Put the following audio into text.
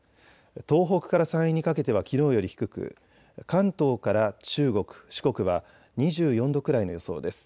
東北から山陰にかけてはきのうより低く関東から中国、四国は２４度くらいの予想です。